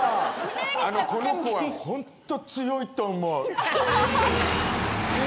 この子はホント強いと思う。